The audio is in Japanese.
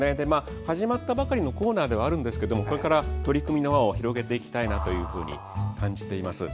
始まったばかりのコーナーではあるんですがこれから取り組みの輪を広げていきたいなと感じています。